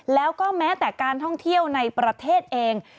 แล้วก็แม้แต่การท่องเที่ยวในประเทศเอง